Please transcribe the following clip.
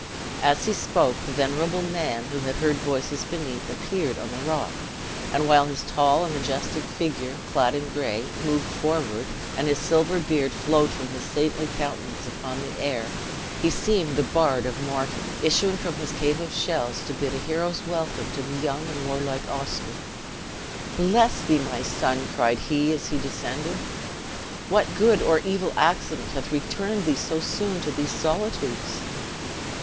As he spoke the venerable man, who had heard voices beneath, appeared on the rock; and while his tall and majestic figure, clad in gray, moved forward, and his silver beard flowed from his saintly countenance upon the air, he seemed the bard of Morven, issuing from his cave of shells to bid a hero's welcome to the young and warlike Oscar. "Bless thee, my son," cried he, as he descended; "what good or evil accident hath returned thee so soon to these solitudes?"